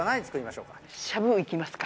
しゃぶ行きますか。